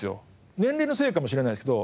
年齢のせいかもしれないですけど。